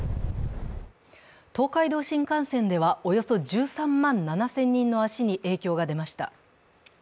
東海道新幹線ではおよそ１３万７０００人の足に影響が出ました。